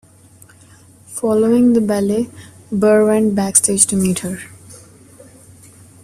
Following the ballet, Burr went backstage to meet her.